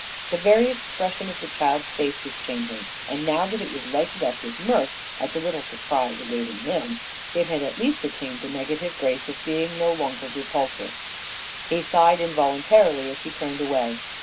The very expression of the child's face was changing, and now that it was lighted up with mirth at the little surprise awaiting him, it had at least attained the negative grace of being no longer repulsive. He sighed involuntarily as he turned away.